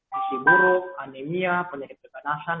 gizi buruk anemia penyakit keganasan